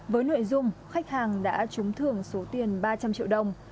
với nội dung khách hàng đã trúng thưởng số tiền ba trăm linh triệu đồng